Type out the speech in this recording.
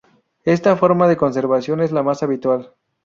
Esta forma de conservación es la más habitual.